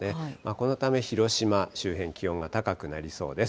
このため広島周辺、気温が高くなりそうです。